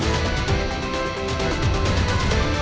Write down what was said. jangan lupa untuk melihat video selanjutnya